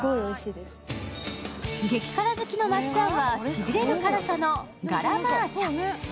激辛好きのまっちゃんはしびれる辛さのガラマーチャ。